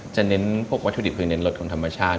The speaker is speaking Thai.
เน้นพวกวัตถุดิบคือเน้นรสของธรรมชาติ